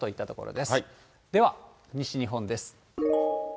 では西日本です。